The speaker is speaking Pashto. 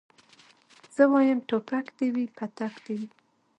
زه وايم ټوپک دي وي پتک دي وي